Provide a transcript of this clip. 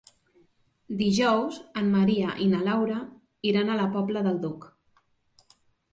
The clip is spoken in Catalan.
Dijous en Maria i na Laura iran a la Pobla del Duc.